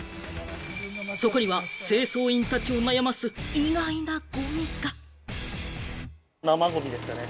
そこには清掃員たちを悩ます意外なごみが。